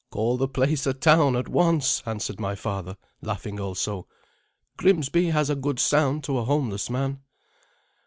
"Call the place a town at once," answered my father, laughing also. "Grimsby has a good sound to a homeless man."